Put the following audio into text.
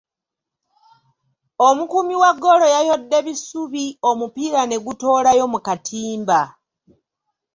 Omukuumi wa ggoolo yayodde bisubi omupiira ne gutoolayo mu katimba.